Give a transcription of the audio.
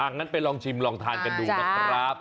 งั้นไปลองชิมลองทานกันดูนะครับ